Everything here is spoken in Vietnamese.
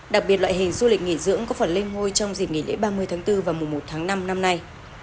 đặc biệt loại hình du lịch nghỉ dưỡng có phần lên ngôi trong dịp nghỉ lễ ba mươi tháng bốn và mùa một tháng năm năm nay